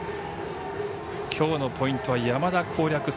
きょうのポイントは山田攻略